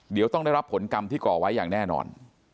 เดี๋ยวต้องได้รับผลกรรมที่ก่อไว้อย่างแน่นอน